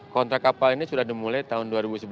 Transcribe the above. kontrak kapal ini sudah dimulai tahun dua ribu sebelas